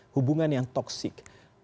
hubungan yang toksik